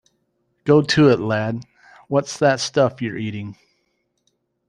Go to it, lad. What's that stuff you're eating?